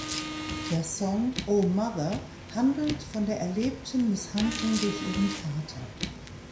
Der Song „Oh Mother“ handelt von der erlebten Misshandlung durch ihren Vater.